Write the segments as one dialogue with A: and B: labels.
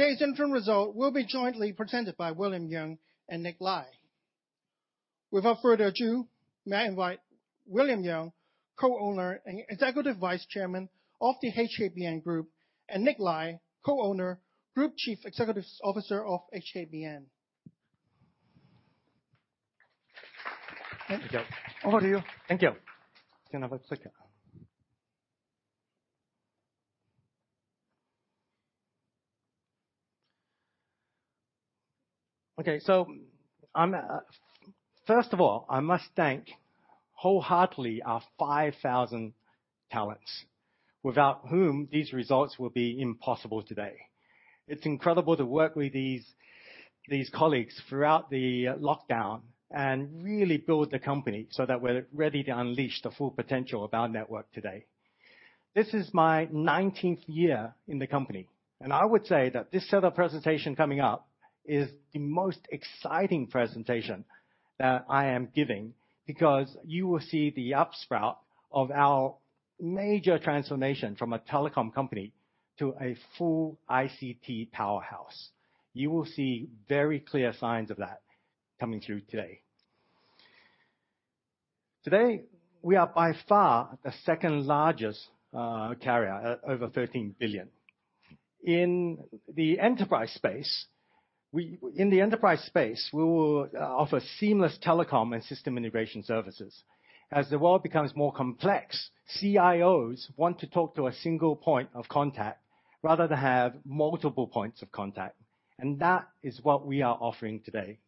A: Today's interim result will be jointly presented by William Yeung and NiQ Lai. Without further ado, may I invite William Yeung, Co-Owner and Executive Vice Chairman of the HKBN Group, and NiQ Lai, Co-Owner, Group Chief Executive Officer of HKBN.
B: Thank you.
A: Over to you.
B: Thank you.
A: You can have a clicker.
B: First of all, I must thank wholeheartedly our 5,000 talents, without whom these results will be impossible today. It's incredible to work with these colleagues throughout the lockdown and really build the company so that we're ready to unleash the full potential of our network today. This is my 19th year in the company, I would say that this set of presentation coming up is the most exciting presentation that I am giving because you will see the upsprout of our major transformation from a telecom company to a full ICT powerhouse. You will see very clear signs of that coming through today. Today, we are by far the second-largest carrier at over 13 billion. In the enterprise space, we will offer seamless telecom and system integration services. As the world becomes more complex, CIOs want to talk to a single point of contact rather than have multiple points of contact. That is what we are offering today.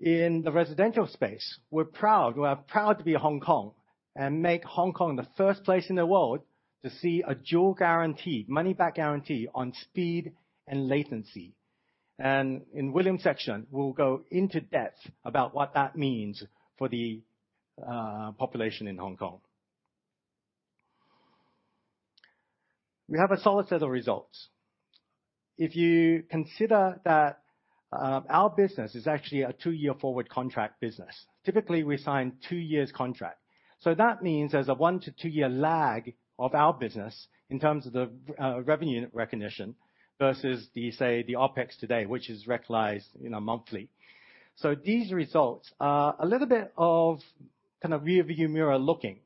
B: In the residential space, we're proud. We are proud to be Hong Kong and make Hong Kong the first place in the world to see a dual guarantee, money-back guarantee on speed and latency. In William's section, we'll go into depth about what that means for the population in Hong Kong. We have a solid set of results. If you consider that our business is actually a two-year forward contract business. Typically, we sign two years contract. That means there's a 1-2 year lag of our business in terms of the revenue recognition versus the, say, the OpEx today, which is recognized, you know, monthly. These results are a little bit of kind of rear-view mirror looking.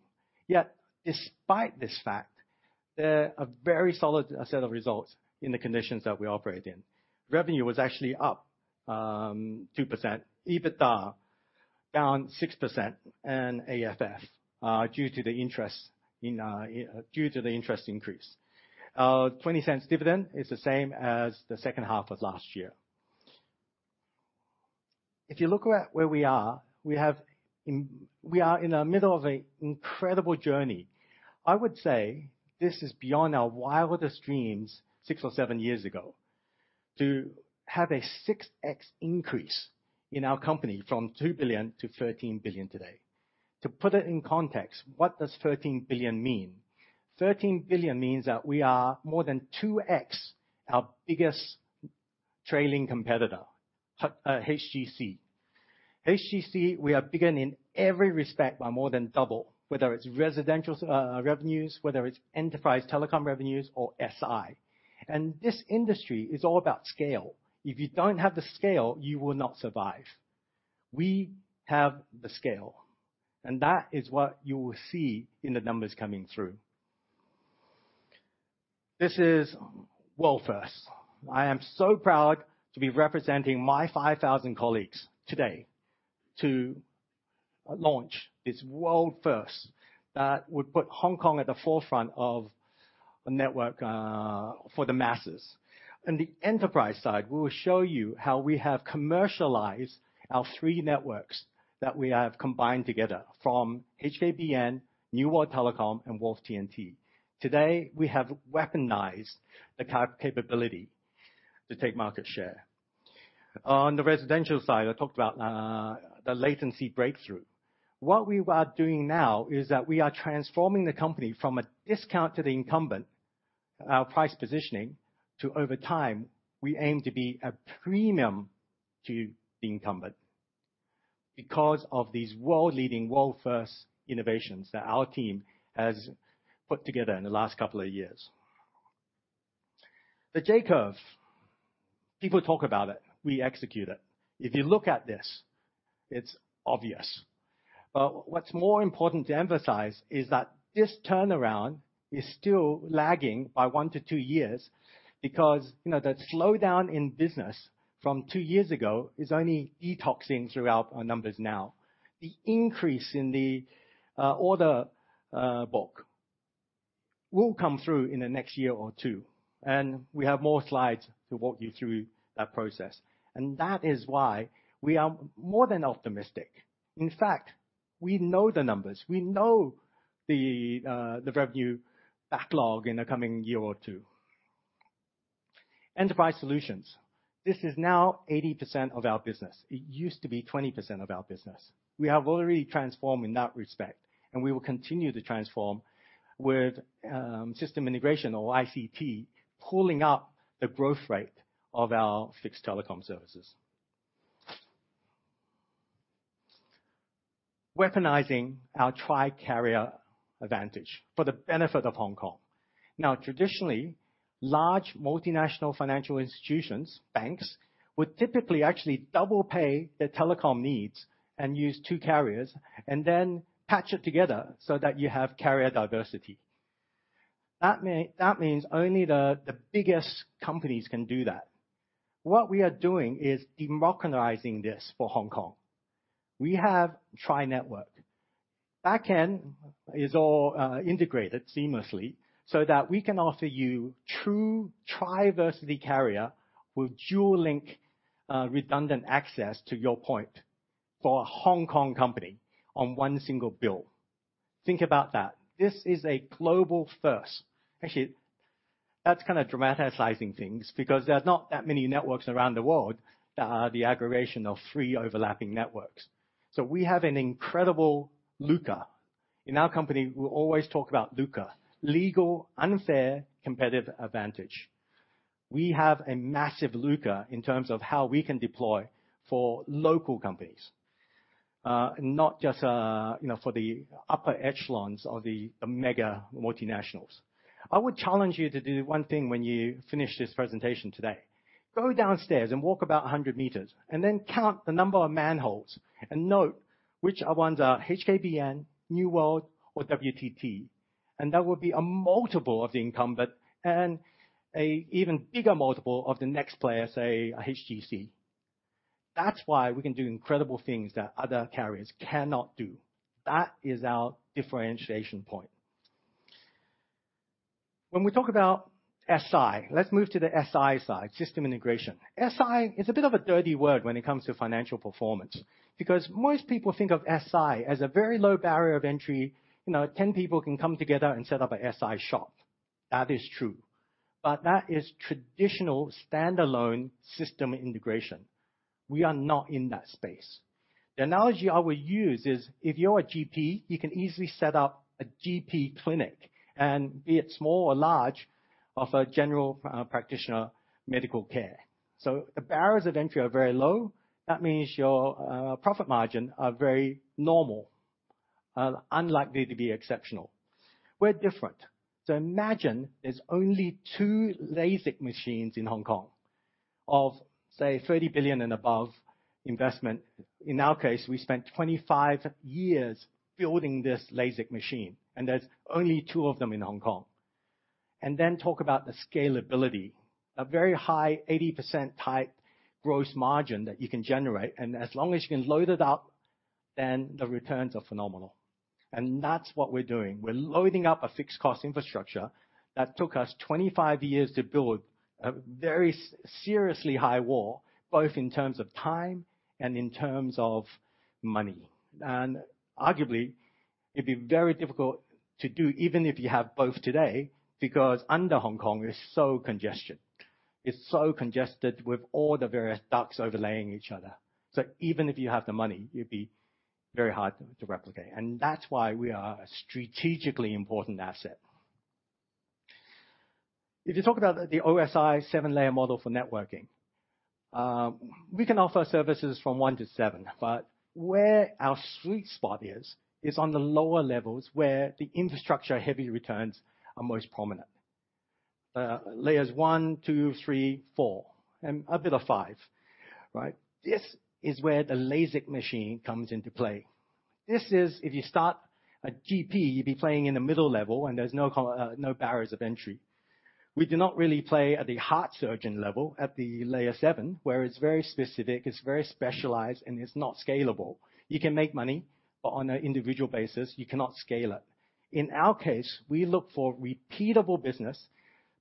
B: Yet, despite this fact, they're a very solid set of results in the conditions that we operate in. Revenue was actually up 2%, EBITDA down 6%, AFF due to the interest in due to the interest increase. 0.20 dividend is the same as the second half of last year. If you look at where we are, We are in the middle of an incredible journey. I would say this is beyond our wildest dreams six or seven years ago, to have a 6x increase in our company from 2 billion-13 billion today. To put it in context, what does 13 billion mean? 13 billion means that we are more than 2x our biggest trailing competitor, HGC. HGC, we are bigger in every respect by more than double, whether it's residential revenues, whether it's enterprise telecom revenues or SI. This industry is all about scale. If you don't have the scale, you will not survive. We have the scale, and that is what you will see in the numbers coming through. This is world-first. I am so proud to be representing my 5,000 colleagues today to launch this world-first that would put Hong Kong at the forefront of a network for the masses. On the enterprise side, we will show you how we have commercialized our three networks that we have combined together from HKBN, New World Telecom, and Wharf T&T. Today, we have weaponized the capability to take market share. On the residential side, I talked about the latency breakthrough. What we are doing now is that we are transforming the company from a discount to the incumbent, our price positioning, to over time, we aim to be a premium to the incumbent because of these world-leading, world-first innovations that our team has put together in the last couple of years. The J curve, people talk about it, we execute it. If you look at this, it's obvious. What's more important to emphasize is that this turnaround is still lagging by 1 to 2 years because, you know, the slowdown in business from 2 years ago is only detoxing through our numbers now. The increase in the order book will come through in the next year or 2, and we have more slides to walk you through that process. That is why we are more than optimistic. In fact, we know the numbers, we know the revenue backlog in the coming year or 2. Enterprise Solutions. This is now 80% of our business. It used to be 20% of our business. We have already transformed in that respect, we will continue to transform with system integration or ICT pulling up the growth rate of our fixed telecom services. Weaponizing our tri-carrier advantage for the benefit of Hong Kong. Traditionally, large multinational financial institutions, banks, would typically actually double pay their telecom needs and use 2 carriers and then patch it together so that you have carrier diversity. That means only the biggest companies can do that. What we are doing is democratizing this for Hong Kong. We have tri-network. Backend is all integrated seamlessly so that we can offer you true tri-versity carrier with dual link, redundant access to your point for a Hong Kong company on 1 single bill. Think about that. This is a global first. That's kinda dramatizing things because there's not that many networks around the world that are the aggregation of 3 overlapping networks. We have an incredible LUCA. In our company, we always talk about LUCA, Legal Unfair Competitive Advantage. We have a massive LUCA in terms of how we can deploy for local companies, not just, you know, for the upper echelons of the mega multinationals. I would challenge you to do 1 thing when you finish this presentation today. Go downstairs and walk about 100 meters, and then count the number of manholes and note which are ones are HKBN, New World or WTT, and that would be a multiple of the incumbent and a even bigger multiple of the next player, say a HGC. That's why we can do incredible things that other carriers cannot do. That is our differentiation point. When we talk about SI, let's move to the SI side, system integration. SI is a bit of a dirty word when it comes to financial performance because most people think of SI as a very low barrier of entry. You know, 10 people can come together and set up a SI shop. That is true, but that is traditional standalone system integration. We are not in that space. The analogy I would use is if you're a GP, you can easily set up a GP clinic and be it small or large, offer general practitioner medical care. The barriers of entry are very low. That means your profit margin are very normal, unlikely to be exceptional. We're different. Imagine there's only 2 LASIK machines in Hong Kong of, say, 30 billion and above investment. In our case, we spent 25 years building this LASIK machine, and there's only 2 of them in Hong Kong. Talk about the scalability, a very high 80% type gross margin that you can generate, and as long as you can load it up, then the returns are phenomenal. That's what we're doing. We're loading up a fixed cost infrastructure that took us 25 years to build a very seriously high wall, both in terms of time and in terms of money. Arguably, it'd be very difficult to do even if you have both today, because under Hong Kong is so congestion. It's so congested with all the various ducts overlaying each other. Even if you have the money, it'd be very hard to replicate. That's why we are a strategically important asset. If you talk about the OSI 7-layer model for networking, we can offer services from 1 to 7, but where our sweet spot is on the lower levels, where the infrastructure heavy returns are most prominent. Layers 1, 2, 3, 4, and a bit of 5, right? This is where the LASIK machine comes into play. This is if you start a GP, you'd be playing in the middle level, and there's no barriers of entry. We do not really play at the heart surgeon level, at the Layer Seven, where it's very specific, it's very specialized, and it's not scalable. You can make money, but on an individual basis, you cannot scale it. In our case, we look for repeatable business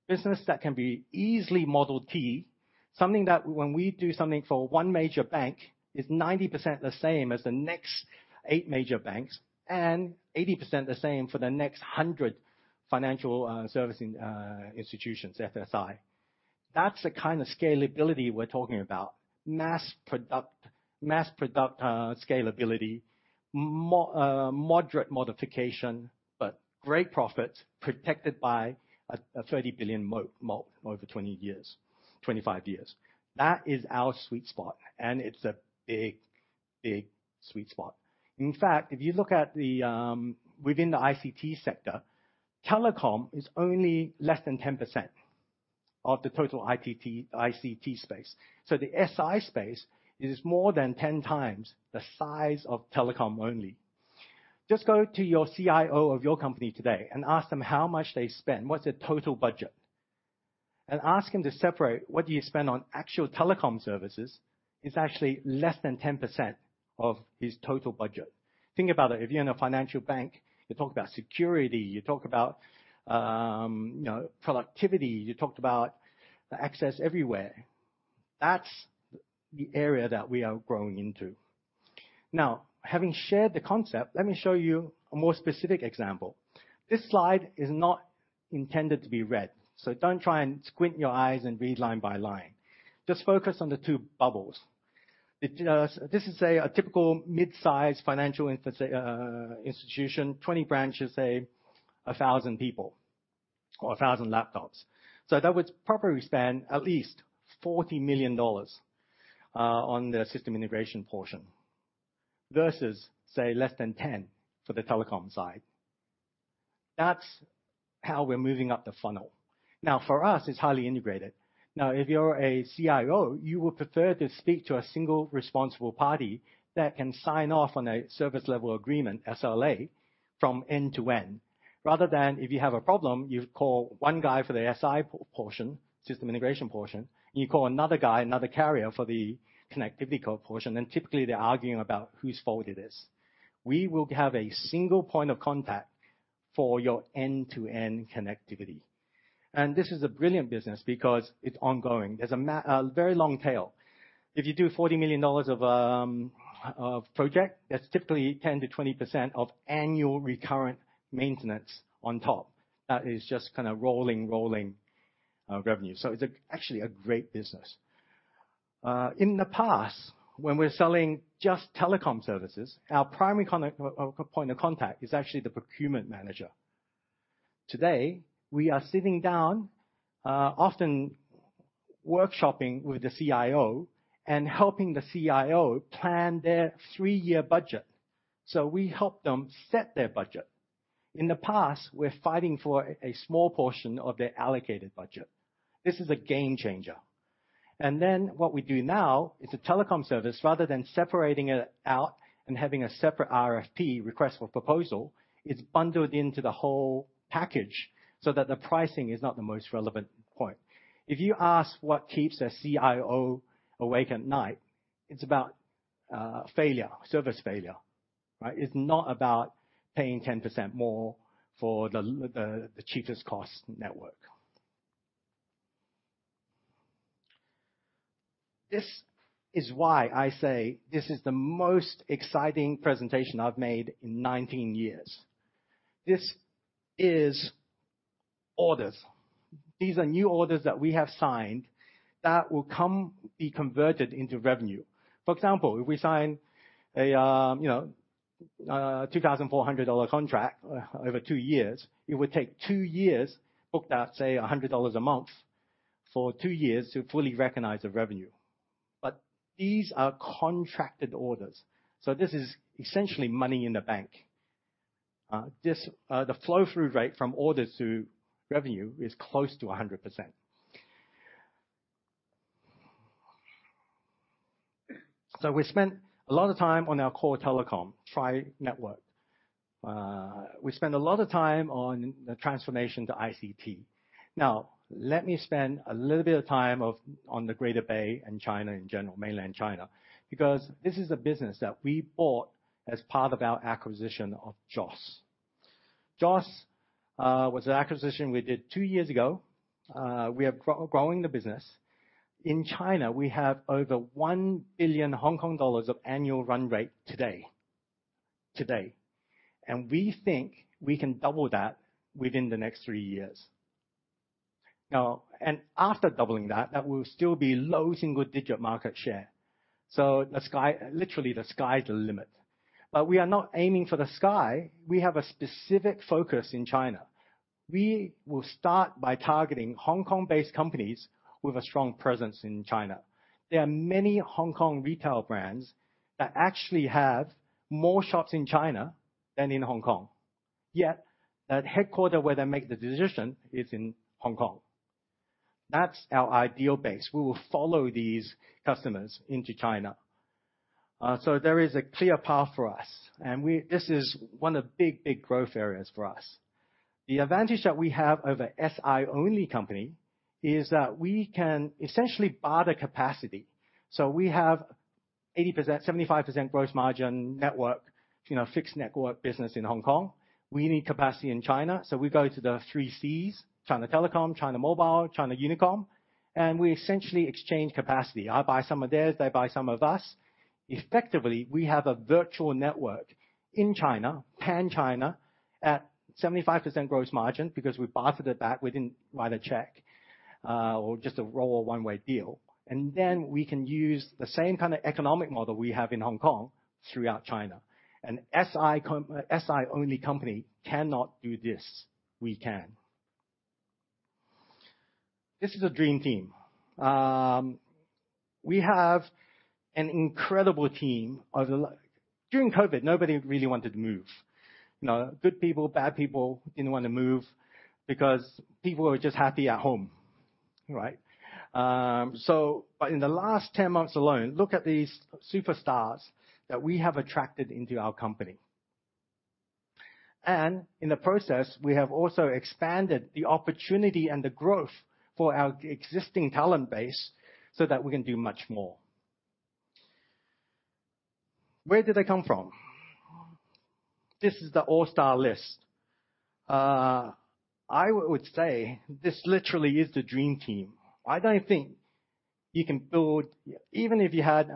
B: that can be easily modeled key. Something that when we do something for one major bank, it's 90% the same as the next 8 major banks and 80% the same for the next 100 financial servicing institutions, FSI. That's the kind of scalability we're talking about. Mass product, scalability, moderate modification, but great profits protected by a 30 billion moat over 20 years, 25 years. That is our sweet spot, and it's a big sweet spot. In fact, if you look at the within the ICT sector, telecom is only less than 10% of the total ICT space. The SI space is more than 10 times the size of telecom only. Just go to your CIO of your company today and ask them how much they spend, what's their total budget? Ask them to separate what do you spend on actual telecom services is actually less than 10% of his total budget. Think about it. If you're in a financial bank, you talk about security, you talk about, you know, productivity, you talked about the access everywhere. That's the area that we are growing into. Having shared the concept, let me show you a more specific example. This slide is not intended to be read, so don't try and squint your eyes and read line by line. Just focus on the two bubbles. The, this is a typical mid-size financial institution, 20 branches, say 1,000 people. Or 1,000 laptops. That would probably span at least $40 million on the system integration portion, versus, say, less than $10 for the telecom side. That's how we're moving up the funnel. For us, it's highly integrated. If you're a CIO, you would prefer to speak to a single responsible party that can sign off on a service level agreement, SLA, from end to end, rather than if you have a problem, you call one guy for the SI portion, system integration portion, and you call another guy, another carrier for the connectivity portion, and typically they're arguing about whose fault it is. We will have a single point of contact for your end-to-end connectivity. This is a brilliant business because it's ongoing. There's a very long tail. If you do 40 million dollars of project, that's typically 10%-20% of annual recurrent maintenance on top. That is just kinda rolling revenue. It's actually a great business. In the past, when we're selling just telecom services, our primary point of contact is actually the procurement manager. Today, we are sitting down, often workshopping with the CIO and helping the CIO plan their three-year budget. We help them set their budget. In the past, we're fighting for a small portion of their allocated budget. This is a game changer. What we do now is a telecom service, rather than separating it out and having a separate RFP, request for proposal, it's bundled into the whole package so that the pricing is not the most relevant point. If you ask what keeps a CIO awake at night, it's about failure, service failure, right? It's not about paying 10% more for the cheapest cost network. This is why I say this is the most exciting presentation I've made in 19 years. This is orders. These are new orders that we have signed that will come be converted into revenue. For example, if we sign a, you know, a 2,400 dollar contract over two years, it would take two years booked at, say, 100 dollars a month for two years to fully recognize the revenue. These are contracted orders, so this is essentially money in the bank. This, the flow-through rate from orders to revenue is close to 100%. We spent a lot of time on our core telecom, tri-carrier network. We spent a lot of time on the transformation to ICT. Let me spend a little bit of time on the Greater Bay and China in general, Mainland China, because this is a business that we bought as part of our acquisition of JOS. JOS was an acquisition we did two years ago. We are growing the business. In China, we have over 1 billion Hong Kong dollars of annual run rate today. Today. We think we can double that within the next three years. After doubling that will still be low single digit market share. The sky, literally, the sky's the limit. We are not aiming for the sky, we have a specific focus in China. We will start by targeting Hong Kong-based companies with a strong presence in China. There are many Hong Kong retail brands that actually have more shops in China than in Hong Kong. That headquarters where they make the decision is in Hong Kong. That's our ideal base. We will follow these customers into China. There is a clear path for us, this is one of the big growth areas for us. The advantage that we have over SI-only company is that we can essentially barter capacity. We have 75% gross margin network, you know, fixed network business in Hong Kong. We need capacity in China, we go to the three Cs, China Telecom, China Mobile, China Unicom, we essentially exchange capacity. I buy some of theirs, they buy some of us. Effectively, we have a virtual network in China, pan-China, at 75% gross margin because we bartered it back. We didn't write a check, just a raw one-way deal. We can use the same kind of economic model we have in Hong Kong throughout China. An SI-only company cannot do this. We can. This is a dream team. We have an incredible team of... During COVID, nobody really wanted to move. You know, good people, bad people, didn't wanna move because people were just happy at home, right? In the last 10 months alone, look at these superstars that we have attracted into our company. In the process, we have also expanded the opportunity and the growth for our existing talent base so that we can do much more. Where did they come from? This is the all-star list. I would say this literally is the dream team. I don't think you can build. Even if you had,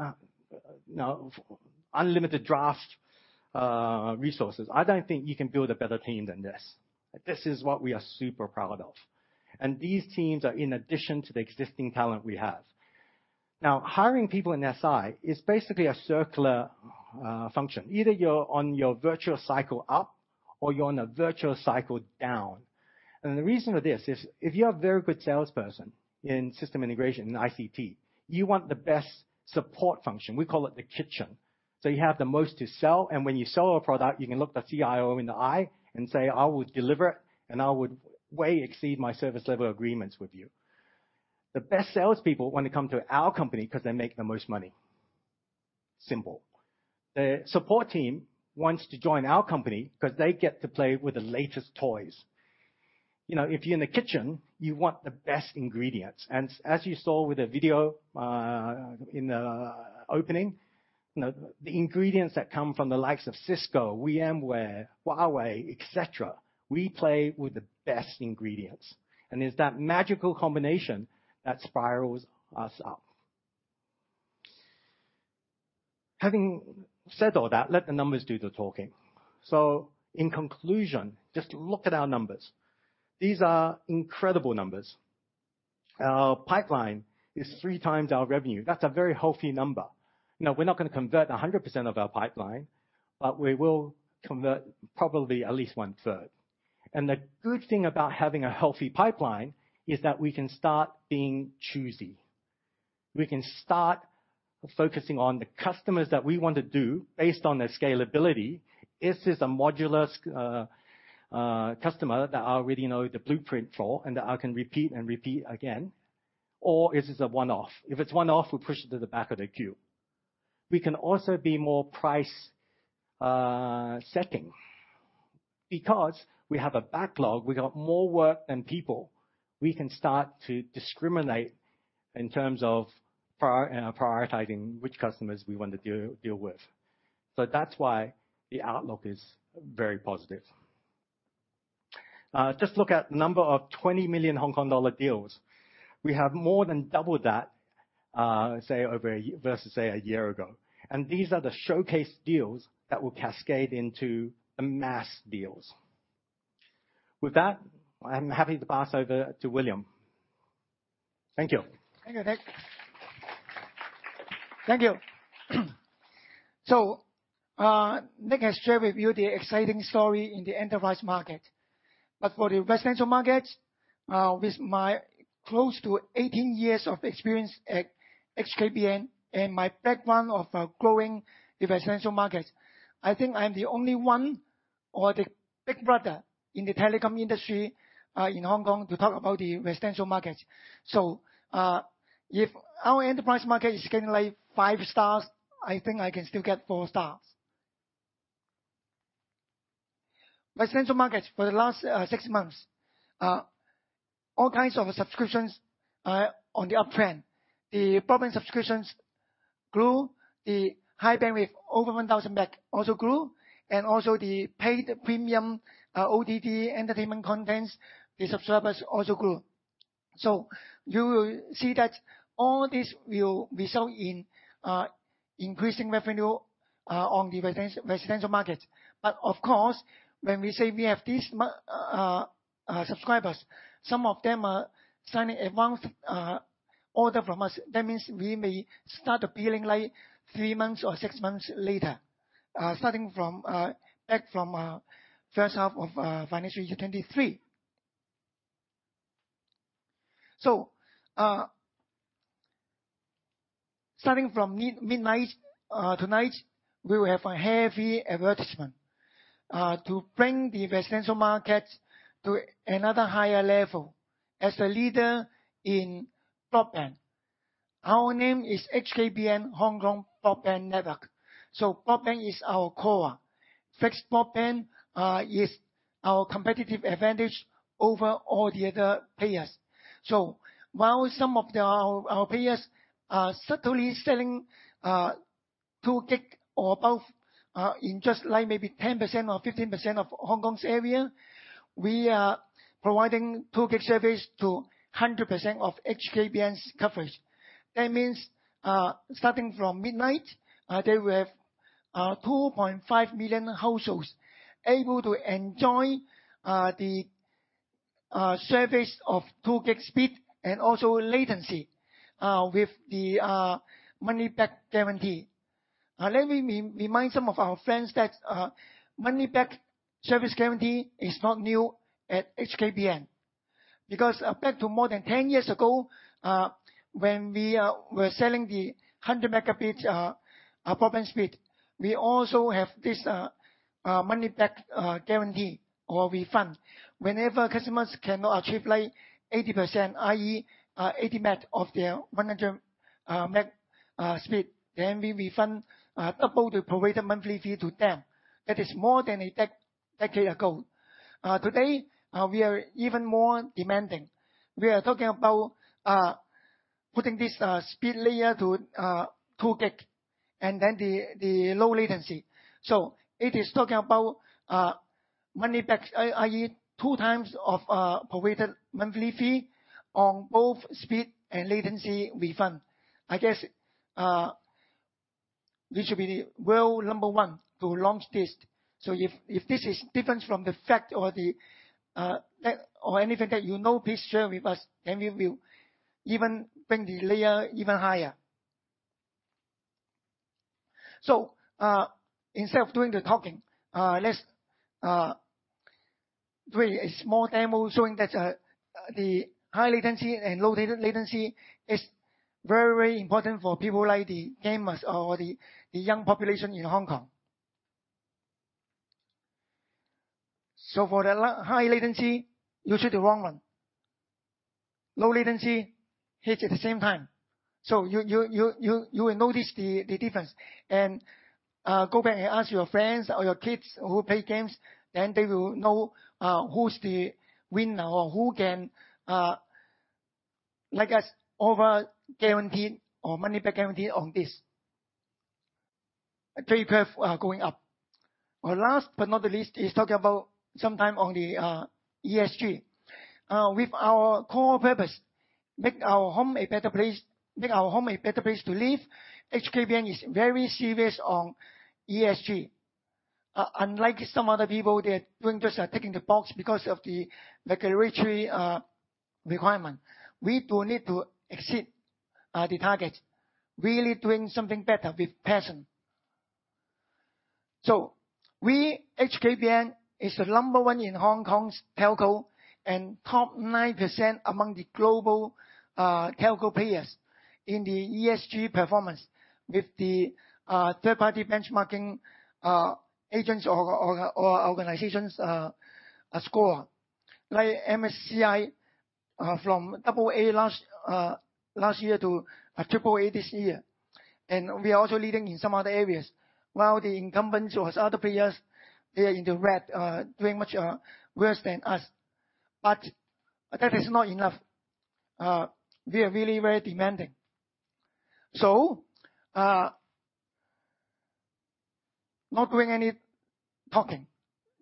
B: you know, unlimited draft, resources, I don't think you can build a better team than this. This is what we are super proud of. These teams are in addition to the existing talent we have. Now, hiring people in SI is basically a circular function. Either you're on your virtuous cycle up or you're on a virtuous cycle down. The reason for this is, if you're a very good salesperson in system integration, in ICT, you want the best support function. We call it the kitchen. You have the most to sell, and when you sell a product, you can look the CIO in the eye and say, "I will deliver it, and I would way exceed my service level agreements with you." The best salespeople want to come to our company 'cause they make the most money. Simple. The support team wants to join our company 'cause they get to play with the latest toys. You know, if you're in the kitchen, you want the best ingredients. As you saw with the video, in the opening, you know, the ingredients that come from the likes of Cisco, VMware, Huawei, et cetera, we play with the best ingredients. It's that magical combination that spirals us up. Having said all that, let the numbers do the talking. In conclusion, just look at our numbers. These are incredible numbers. Our pipeline is 3 times our revenue. That's a very healthy number. Now, we're not gonna convert 100% of our pipeline, but we will convert probably at least 1/3. The good thing about having a healthy pipeline is that we can start being choosy. We can start focusing on the customers that we want to do based on their scalability. Is this a modular customer that I already know the blueprint for and that I can repeat again? Or is this a one-off? If it's one-off, we push it to the back of the queue. We can also be more price setting. We have a backlog, we got more work than people, we can start to discriminate in terms of prioritizing which customers we want to deal with. That's why the outlook is very positive. Just look at the number of 20 million Hong Kong dollar deals. We have more than doubled that, say, over a versus, say, a year ago. These are the showcase deals that will cascade into mass deals. With that, I'm happy to pass over to William. Thank you.
C: Thank you, NiQ. Thank you. NiQ has shared with you the exciting story in the enterprise market. For the residential market, with my close to 18 years of experience at HKBN and my background of growing the residential market, I think I'm the only one, or the big brother in the telecom industry, in Hong Kong to talk about the residential market. If our enterprise market is getting, like, 5 stars, I think I can still get 4 stars. Residential markets for the last 6 months, all kinds of subscriptions are on the uptrend. The broadband subscriptions grew. The high bandwidth over 1,000 Meg also grew. Also the paid premium, OTT entertainment contents, the subscribers also grew. You will see that all this will result in increasing revenue on the residential market. Of course, when we say we have these subscribers, some of them are signing advance order from us. That means we may start appearing, like, 3 months or 6 months later, starting from back from first half of financial year 2023. Starting from mid-midnight tonight, we will have a heavy advertisement to bring the residential market to another higher level as a leader in broadband. Our name is HKBN Hong Kong Broadband Network. Broadband is our core. Fixed broadband is our competitive advantage over all the other players. While some of the, our players are certainly selling 2 Gig or above in just, like, maybe 10% or 15% of Hong Kong's area, we are providing 2 Gig service to 100% of HKBN's coverage. That means, starting from midnight, there will have 2.5 million households able to enjoy the service of 2 Gig speed and also latency with the money-back guarantee. Let me remind some of our friends that money-back service guarantee is not new at HKBN. Back to more than 10 years ago, when we're selling the 100 megabits broadband speed, we also have this money-back guarantee or refund. Whenever customers cannot achieve, like, 80%, i.e., 80 Meg of their 100 Meg speed, then we refund double the provided monthly fee to them. That is more than a decade ago. Today, we are even more demanding. We are talking about putting this speed layer to 2 Gig and then the low latency. It is talking about money-back, i.e., 2 times of provided monthly fee on both speed and latency refund. I guess, we should be the world number 1 to launch this. If, if this is different from the fact or the or anything that you know, please share with us and we will even bring the layer even higher. Instead of doing the talking, let's do a small demo showing that the high latency and low latency is very, very important for people like the gamers or the young population in Hong Kong. For the high latency, you shoot the wrong 1. Low latency, hits at the same time. You will notice the difference. Go back and ask your friends or your kids who play games, then they will know who's the winner or who can, like us, over-guarantee or money-back guarantee on this. The curve going up. Last but not the least, is talking about sometime on the ESG. With our core purpose, make our home a better place, make our home a better place to live, HKBN is very serious on ESG. Unlike some other people, they are doing just ticking the box because of the regulatory requirement. We do need to exceed the target. Really doing something better with passion. We, HKBN, is the number one in Hong Kong's telco and top 9% among the global telco players in the ESG performance with the third-party benchmarking agents or organizations score. Like MSCI, from AA last year to AAA this year. We are also leading in some other areas. While the incumbents or other players, they are in the red, doing much worse than us. That is not enough. We are really very demanding. Not doing any talking,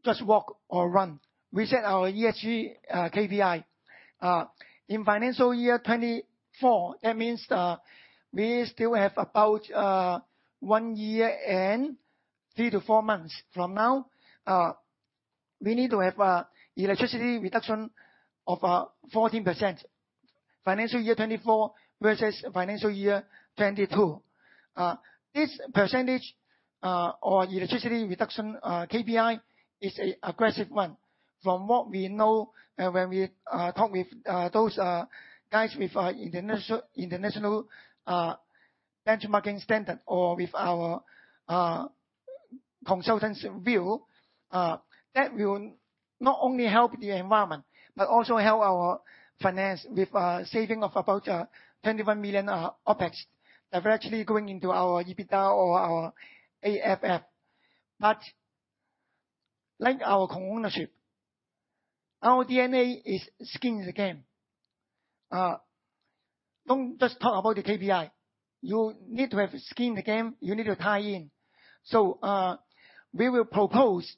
C: just walk or run. We set our ESG KPI. In financial year 2024, that means, we still have about 1 year and 3 to 4 months from now. We need to have electricity reduction of 14%. Financial year 2024 versus financial year 2022. This percentage, or electricity reduction, KPI, is an aggressive one. From what we know, when we talk with those guys with international benchmarking standard or with our consultants' view, that will not only help the environment, but also help our finance with saving of about 21 million OpEx. They're virtually going into our EBITDA or our AFF. Like our Co-Ownership, our DNA is skin in the game. Don't just talk about the KPI. You need to have skin in the game. You need to tie in. We will propose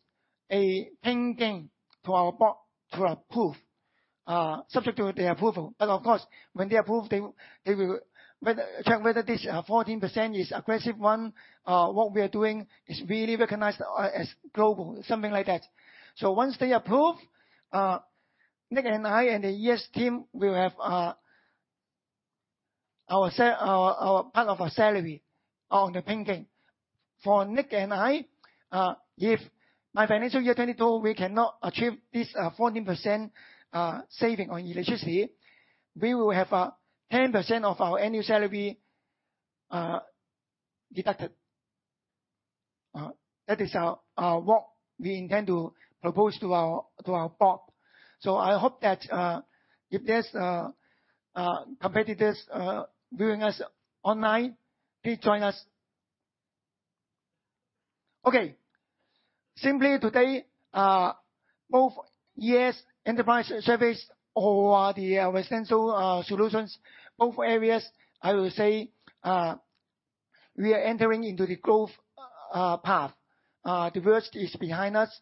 C: a pain/GAIN to our board to approve, subject to the approval. Of course, when they approve, they will check whether this 14% is aggressive one, what we are doing is really recognized as global, something like that. Once they approve, NiQ and I and the ES team will have our part of our salary on the pain/GAIN. For NiQ and I, if by financial year 2022, we cannot achieve this 14% saving on electricity, we will have 10% of our annual salary deducted. That is our work we intend to propose to our, to our board. I hope that, if there's competitors viewing us online, please join us. Okay. Simply today, both ES enterprise service or the extensive solutions, both areas, I will say, we are entering into the growth path. The worst is behind us.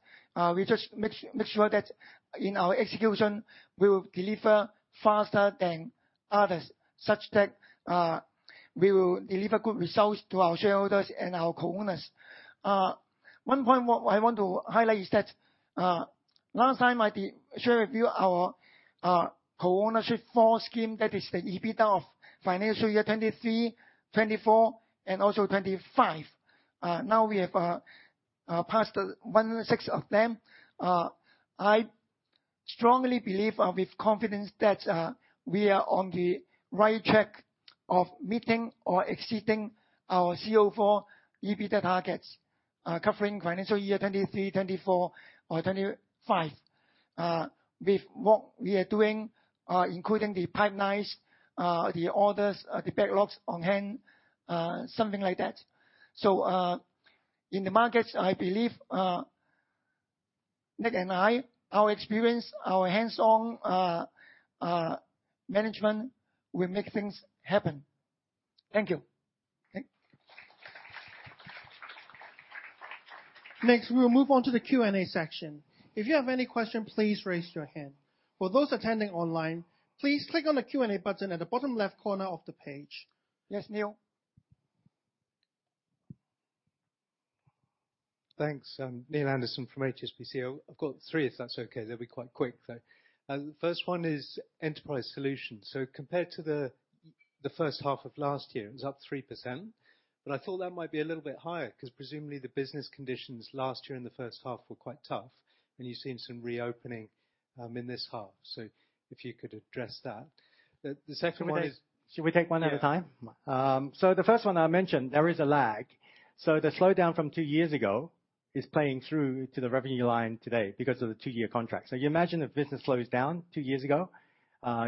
C: We just make sure that in our execution, we will deliver faster than others, such that we will deliver good results to our shareholders and our co-owners. One point what I want to highlight is that last time I did share with you our Co-Ownership floor scheme. That is the EBITDA of financial year 2023, 2024, and also 2025. Now we have passed 1 in 6 of them. I strongly believe with confidence that we are on the right track of meeting or exceeding our CO4 EBITDA targets, covering financial year 2023, 2024 or 2025. With what we are doing, including the pipelines, the orders, the backlogs on hand, something like that. In the markets, I believe, NiQ and I, our experience, our hands-on, management will make things happen. Thank you.
B: Next, we will move on to the Q&A section. If you have any questions, please raise your hand. For those attending online, please click on the Q&A button at the bottom left corner of the page. Yes, Neil.
D: Thanks. Neil Anderson from HSBC. I've got three, if that's okay. They'll be quite quick, though. The first one is Enterprise Solutions. Compared to the first half of last year, it was up 3%, but I thought that might be a little bit higher, 'cause presumably the business conditions last year in the first half were quite tough, and you've seen some reopening in this half. If you could address that. The second one is
B: Should we take one at a time?
D: Yeah.
B: The first one I mentioned, there is a lag. The slowdown from 2 years ago is playing through to the revenue line today because of the two-year contract. You imagine if business slows down 2 years ago,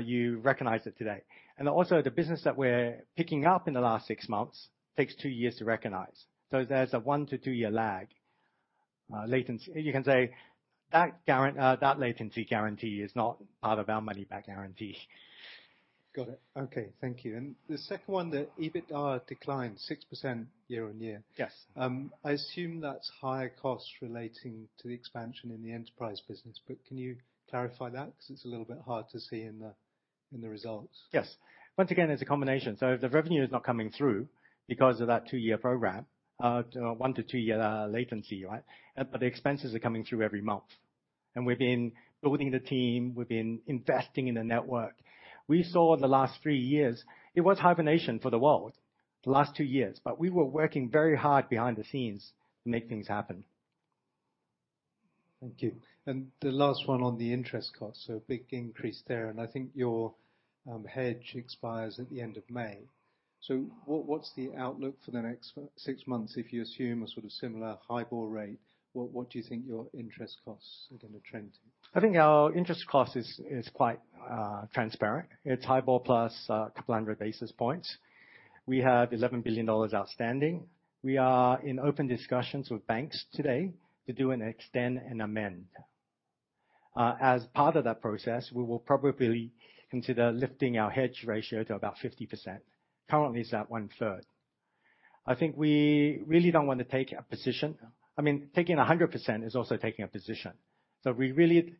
B: you recognize it today. Also the business that we're picking up in the last 6 months takes 2 years to recognize. There's a 1-2 year lag, latency. You can say that latency guarantee is not part of our money back guarantee.
D: Got it. Okay. Thank you. The second one, the EBITDA declined 6% year-on-year.
B: Yes.
D: I assume that's higher costs relating to the expansion in the enterprise business, but can you clarify that? 'Cause it's a little bit hard to see in the, in the results.
B: Yes. Once again, it's a combination. If the revenue is not coming through because of that two-year program, one to two year latency, right? The expenses are coming through every month. We've been building the team, we've been investing in the network. We saw the last 3 years it was hibernation for the world the last 2 years, we were working very hard behind the scenes to make things happen.
D: Thank you. The last one on the interest cost, so a big increase there. I think your hedge expires at the end of May. What's the outlook for the next six months? If you assume a sort of similar HIBOR rate, what do you think your interest costs are gonna trend to?
B: I think our interest cost is quite transparent. It's high ball plus a couple hundred basis points. We have 11 billion dollars outstanding. We are in open discussions with banks today to do an extend and amend. As part of that process, we will probably consider lifting our hedge ratio to about 50%. Currently it's at one-third. I think we really don't want to take a position. I mean, taking a 100% is also taking a position. We really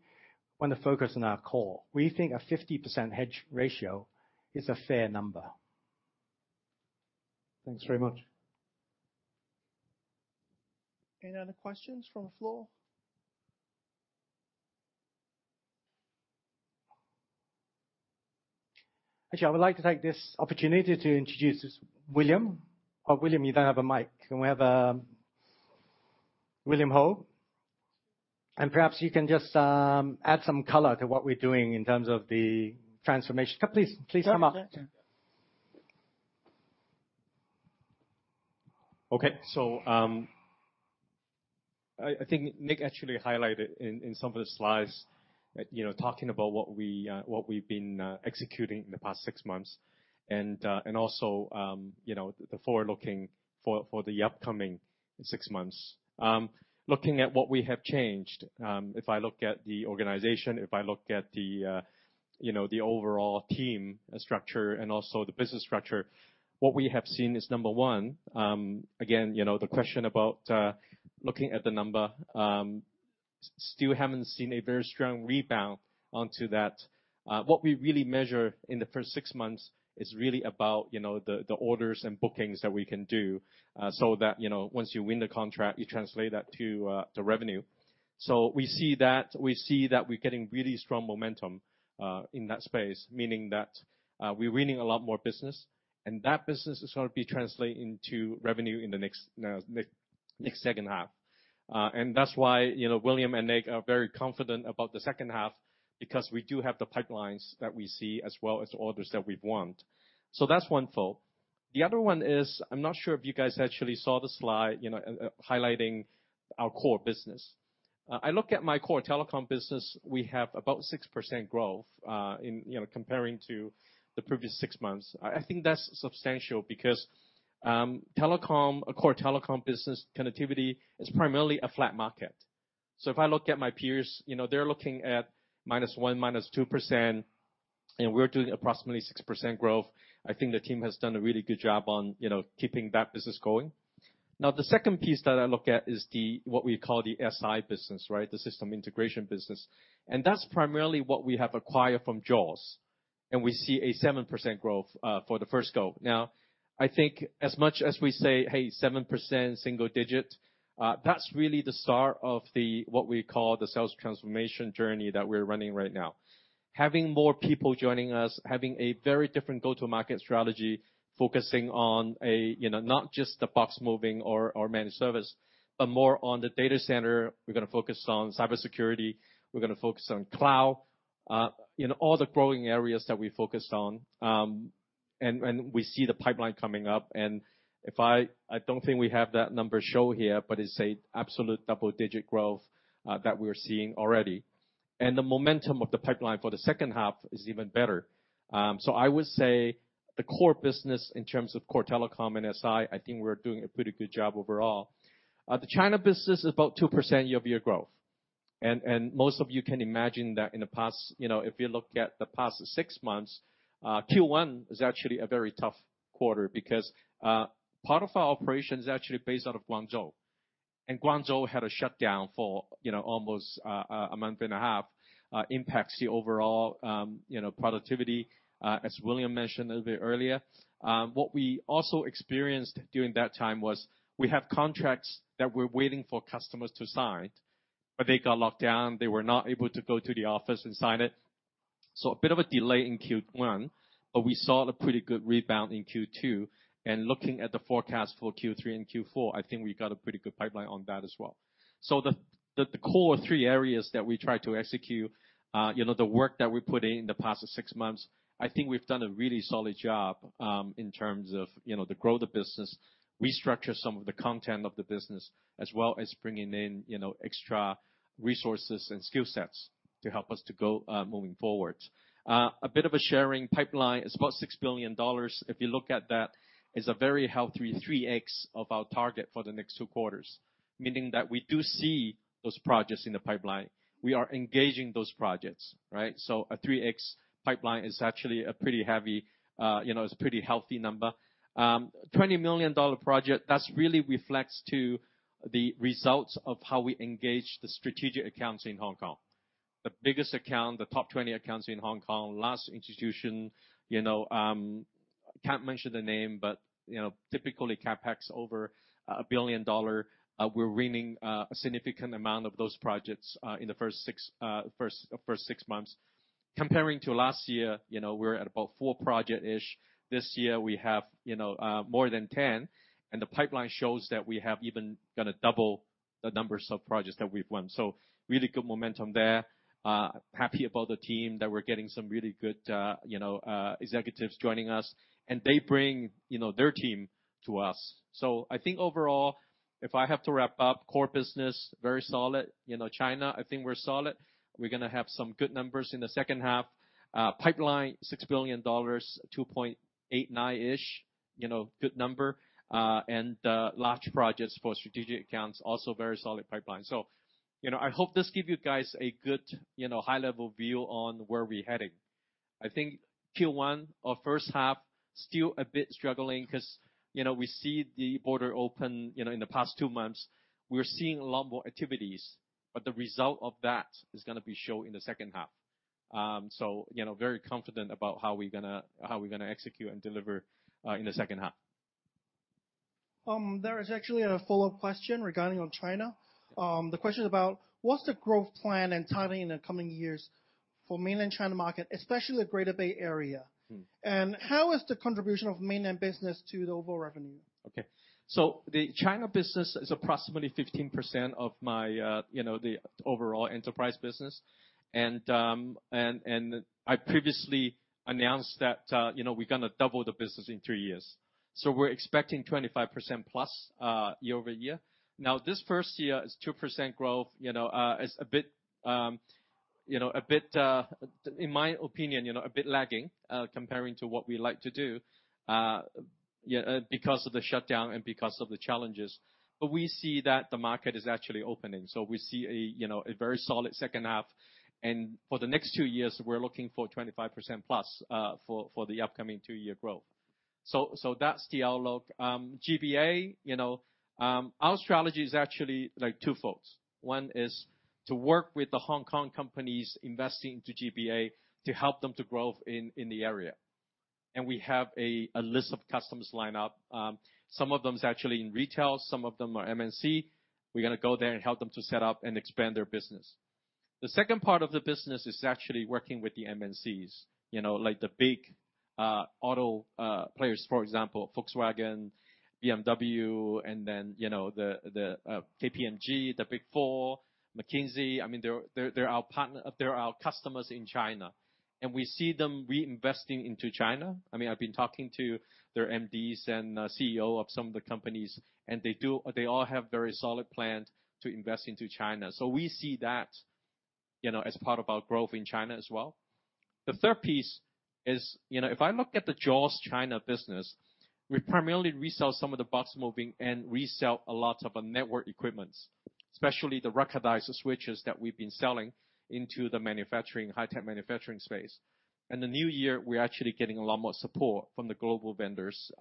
B: wanna focus on our core. We think a 50% hedge ratio is a fair number.
D: Thanks very much.
B: Any other questions from the floor? Actually, I would like to take this opportunity to introduce William. William, you don't have a mic. Can we have William Ho. Perhaps you can just add some color to what we're doing in terms of the transformation. Please come up.
E: Yeah. Okay. I think NiQ actually highlighted in some of the slides, you know, talking about what we've been executing in the past 6 months and also, you know, the forward looking for the upcoming 6 months. Looking at what we have changed, if I look at the organization, if I look at the, you know, the overall team structure and also the business structure, what we have seen is, number 1, again, you know, the question about looking at the number, still haven't seen a very strong rebound onto that. What we really measure in the first 6 months is really about, you know, the orders and bookings that we can do, so that, you know, once you win the contract, you translate that to the revenue. We see that. We see that we're getting really strong momentum in that space, meaning that we're winning a lot more business, and that business is gonna be translating to revenue in the next second half. That's why, you know, William and NiQ are very confident about the second half, because we do have the pipelines that we see, as well as orders that we want. That's one thought. The other one is, I'm not sure if you guys actually saw the slide, you know, highlighting our core business. I look at my core telecom business, we have about 6% growth in, you know, comparing to the previous 6 months. I think that's substantial because a core telecom business connectivity is primarily a flat market. If I look at my peers, you know, they're looking at -1%, -2%, and we're doing approximately 6% growth. I think the team has done a really good job on, you know, keeping that business going. The second piece that I look at is the, what we call the SI business, right? The system integration business. That's primarily what we have acquired from JOS, and we see a 7% growth for the first go. I think as much as we say, "Hey, 7%, single digit," that's really the start of the, what we call the sales transformation journey that we're running right now. Having more people joining us, having a very different go-to-market strategy, focusing on a, you know, not just the box moving or managed service, but more on the data center. We're gonna focus on cybersecurity, we're gonna focus on cloud, you know, all the growing areas that we focused on. We see the pipeline coming up, and I don't think we have that number show here, but it's a absolute double-digit growth that we're seeing already. The momentum of the pipeline for the second half is even better. I would say the core business in terms of core telecom and SI, I think we're doing a pretty good job overall. The China business is about 2% year-over-year growth. And most of you can imagine that in the past, you know, if you look at the past six months, Q1 is actually a very tough quarter because part of our operation is actually based out of Guangzhou. Guangzhou had a shutdown for, you know, almost a month and a half, impacts the overall, you know, productivity, as William mentioned a bit earlier. What we also experienced during that time was we have contracts that we're waiting for customers to sign, but they got locked down. They were not able to go to the office and sign it. A bit of a delay in Q1, but we saw a pretty good rebound in Q2. Looking at the forecast for Q3 and Q4, I think we got a pretty good pipeline on that as well. The core 3 areas that we try to execute, you know, the work that we put in the past 6 months, I think we've done a really solid job, in terms of, you know, to grow the business, restructure some of the content of the business, as well as bringing in, you know, extra resources and skill sets to help us to go moving forward. A bit of a sharing pipeline is about 6 billion dollars. If you look at that, it's a very healthy 3x of our target for the next 2 quarters, meaning that we do see those projects in the pipeline. We are engaging those projects, right. A 3x pipeline is actually a pretty heavy, you know, it's a pretty healthy number. 20 million dollar project, that's really reflects to the results of how we engage the strategic accounts in Hong Kong. The biggest account, the top 20 accounts in Hong Kong, last institution, can't mention the name, but typically CapEx over 1 billion dollar, we're winning a significant amount of those projects in the first six months. Comparing to last year, we're at about 4 project-ish. This year we have more than 10. The pipeline shows that we have even gonna double the numbers of projects that we've won. Really good momentum there. Happy about the team that we're getting some really good executives joining us. They bring their team to us. I think overall, if I have to wrap up core business, very solid. You know, China, I think we're solid. We're gonna have some good numbers in the second half. Pipeline, 6 billion dollars, 2.89-ish, you know, good number. Large projects for strategic accounts, also very solid pipeline. You know, I hope this give you guys a good, you know, high-level view on where we're heading. I think Q1 or first half, still a bit struggling 'cause, you know, we see the border open, you know, in the past two months. We're seeing a lot more activities, but the result of that is gonna be show in the second half. You know, very confident about how we're gonna execute and deliver in the second half.
A: There is actually a follow-up question regarding on China. The question is about what's the growth plan and timing in the coming years for mainland China market, especially the Greater Bay Area?
E: Mm.
A: How is the contribution of mainland business to the overall revenue?
E: Okay. The China business is approximately 15% of my, you know, the overall enterprise business. I previously announced that, you know, we're gonna double the business in three years. We're expecting 25%+ year-over-year. Now, this first year is 2% growth, you know, is a bit, you know, a bit, in my opinion, you know, a bit lagging, comparing to what we like to do, because of the shutdown and because of the challenges. We see that the market is actually opening, so we see a, you know, a very solid second half. For the next two years, we're looking for 25%+ for the upcoming 2-year growth. That's the outlook. GBA, you know, our strategy is actually like twofolds. One is to work with the Hong Kong companies investing into GBA to help them to growth in the area. We have a list of customers lined up. Some of them is actually in retail, some of them are MNC. We're gonna go there and help them to set up and expand their business. The second part of the business is actually working with the MNCs, you know, like the big auto players, for example, Volkswagen, BMW, and then, you know, the KPMG, the Big Four, McKinsey. I mean, They're our partner... They're our customers in China, We see them reinvesting into China. I mean, I've been talking to their MDs and CEO of some of the companies, they all have very solid plan to invest into China. We see that, you know, as part of our growth in China as well. The third piece is, you know, if I look at the JOS China business, we primarily resell some of the box moving and resell a lot of our network equipments, especially the rackmount switches that we've been selling into the manufacturing, high-tech manufacturing space. In the new year we're actually getting a lot more support from the global vendors.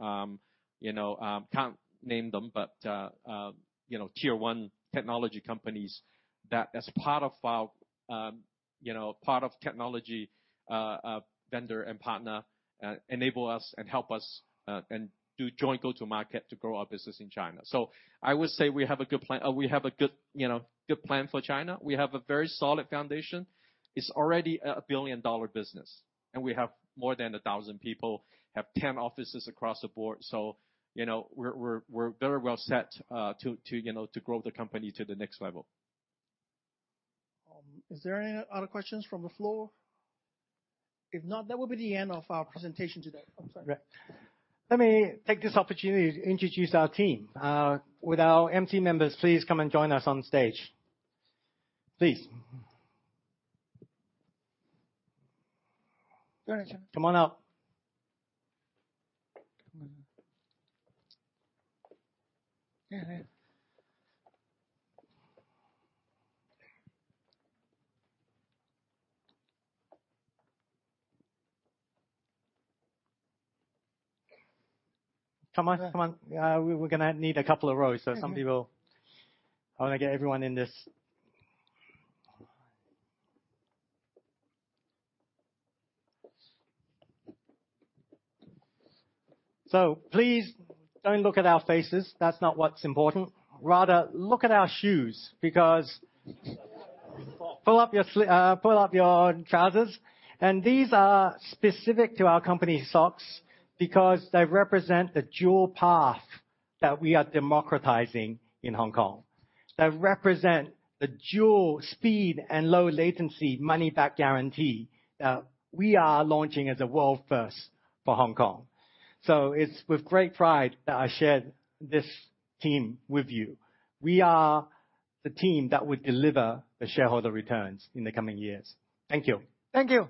E: You know, can't name them, but, you know, tier-one technology companies that as part of our, you know, part of technology vendor and partner enable us and help us and do joint go-to-market to grow our business in China. I would say we have a good plan. We have a good, you know, plan for China. We have a very solid foundation. It's already a billion-dollar business, we have more than 1,000 people, have 10 offices across the board. You know, we're very well set, to, you know, to grow the company to the next level.
B: Is there any other questions from the floor? If not, that will be the end of our presentation today. I'm sorry.
E: Right. Let me take this opportunity to introduce our team. Would our MT members please come and join us on stage? Please.
B: Go ahead, John.
E: Come on up.
B: Come on up. Yeah, yeah.
E: Come on. Come on. We're gonna need a couple of rows so some people. I wanna get everyone in this. Please don't look at our faces. That's not what's important. Rather, look at our shoes because pull up your trousers, and these are specific to our company socks because they represent the dual path that we are democratizing in Hong Kong. They represent the dual speed and low latency money-back guarantee that we are launching as a world first for Hong Kong. It's with great pride that I share this team with you. We are the team that would deliver the shareholder returns in the coming years. Thank you.
B: Thank you.